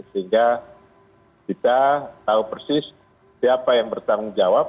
sehingga kita tahu persis siapa yang bertanggung jawab